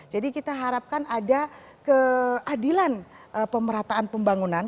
jadi kita harapkan ada keadilan pemerataan pembangunan